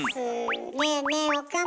ねえねえ岡村。